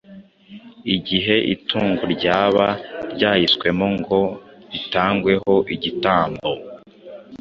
Igihe itungo ryabaga ryahiswemo ngo ritangweho igitambo,